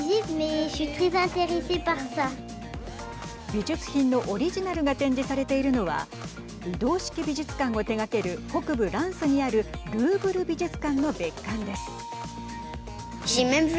美術品のオリジナルが展示されているのは移動式美術館を手がける北部ランスにあるルーブル美術館の別館です。